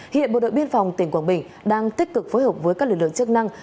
hiện bộ đội biên phòng tỉnh quảng bình đang tích cực phối hợp với các lực lượng chức năng